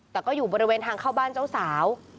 แต่ก็อยู่บริเวณทางเข้าบ้านเจ้าสาว